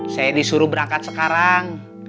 saya disuruh berangkat sekarang